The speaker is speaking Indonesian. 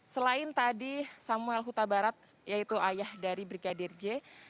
selain tadi samuel huta barat yaitu ayah dari brigadir j